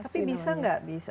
tapi bisa tidak